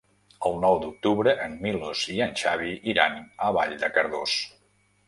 El nou d'octubre en Milos i en Xavi iran a Vall de Cardós.